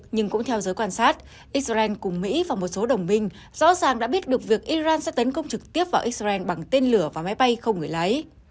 nhưng cũng theo giới quan sát israel cùng mỹ và một số đồng minh rõ ràng đã biết được việc iran sẽ tấn công trực tiếp vào israel bằng tên lửa và máy bay không người lái